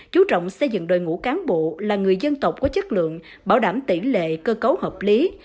chú trọng xây dựng đội ngũ cán bộ là người dân tộc có chất lượng bảo đảm tỷ lệ cơ cấu hợp lý